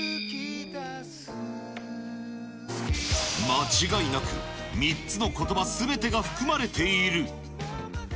間違いなく、３つのことばすべてが含まれている。